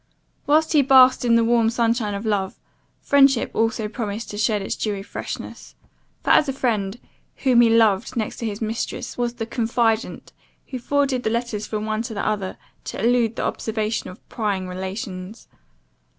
While he basked in the warm sunshine of love, friendship also promised to shed its dewy freshness; for a friend, whom he loved next to his mistress, was the confident, who forwarded the letters from one to the other, to elude the observation of prying relations.